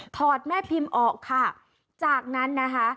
ทอดแม่พิมอ๋อจากนั้นนะคะ